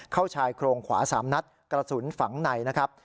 ชายโครงขวา๓นัดกระสุนฝังในนะครับ